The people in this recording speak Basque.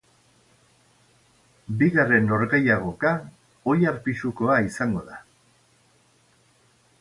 Bigarren norgehiagoka, oilar pisukoa izango da.